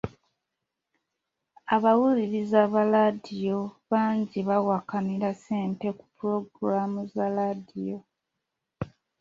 Abawuliriza ba laadiyo bangi bawakanira ssente ku pulogulaamu za laadiyo.